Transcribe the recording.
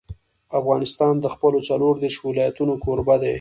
افغانستان د خپلو څلور دېرش ولایتونو کوربه دی.